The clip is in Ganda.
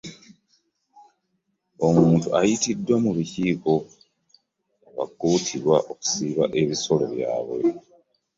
Omuntu bayitiddwa mu lukiiko nebakutirwa okusiba ensolo zaabwe.